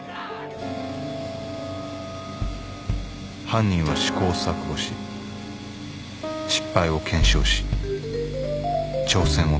犯人は試行錯誤し失敗を検証し挑戦を繰り返した。